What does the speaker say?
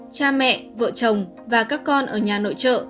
cha mẹ vợ chồng và các con ở nhà nội trợ